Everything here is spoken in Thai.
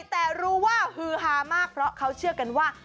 แต่รู้ว่าฮือฮามากเพราะเขาเชื่อกันว่า